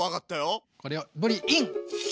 これをぶりイン！